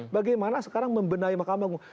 bagaimana sekarang membenahi mahkamah agung